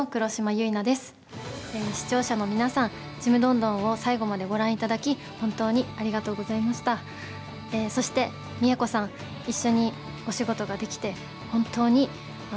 視聴者の皆さん「ちむどんどん」を最後までご覧いただき本当にありがとうございました。と思ってすごく意外だったんですけど。